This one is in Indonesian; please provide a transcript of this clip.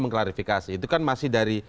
mengklarifikasi itu kan masih dari